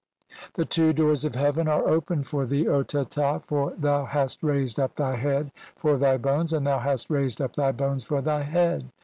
(156) "The two doors of heaven are opened for "thee, O Teta, for thou hast raised up thy head for "thy bones, and thou hast raised up thy bones for "thy head.